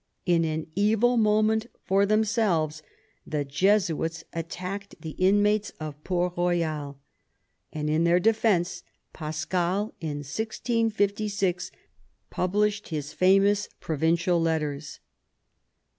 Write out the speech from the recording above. In an evil moment for them selves the Jesuits attacked the inmates of Port Royal, 128 MAZARIN chap. and in their defence Pascal in 1656 published his famous Provincial Letters.